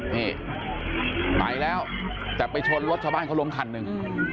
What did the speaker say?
นี่ไปแล้วแต่ไปชนรถชาวบ้านเขาล้มคันหนึ่ง